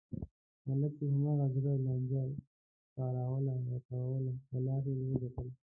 ملک صاحب هماغه زړه لانجه تاووله راتاووله بلاخره و یې گټله.